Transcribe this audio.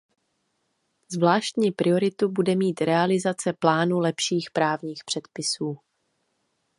Zvláštní prioritu bude mít realizace plánu lepších právních předpisů.